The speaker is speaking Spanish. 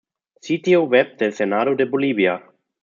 Sitio Web del Senado de Bolivia